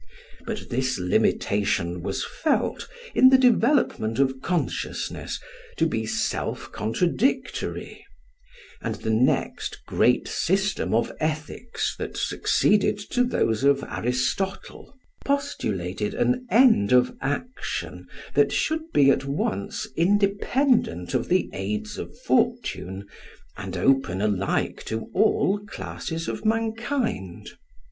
But this limitation was felt, in the development of consciousness, to be self contradictory; and the next great system of ethics that succeeded to that of Aristotle, postulated an end of action that should be at once independent of the aids of fortune and open alike to all classes of mankind.